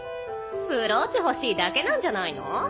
ブローチ欲しいだけなんじゃないの？